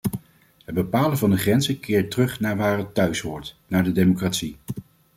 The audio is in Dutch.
Het bepalen van de grenzen keert terug naar waar het thuishoort: naar de democratie.